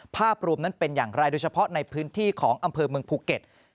ภาพรวมนั้นเป็นอย่างไรโดยเฉพาะในพื้นที่ของอำเภอเมืองภูเก็ต